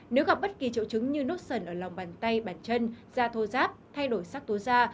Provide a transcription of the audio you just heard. nếu gặp bất kỳ trậu trứng như nốt sần ở lòng bàn tay bàn chân da thô giáp thay đổi sắc tố da